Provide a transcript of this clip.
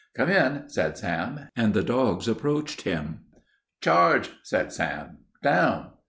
"Come in," said Sam, and the dogs approached him. "Charge!" said Sam. "Down!"